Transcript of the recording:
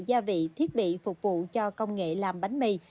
gia vị thiết bị phục vụ cho công nghệ làm bánh mì